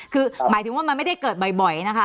คือหมายถึงว่ามันไม่ได้เกิดบ่อยนะคะ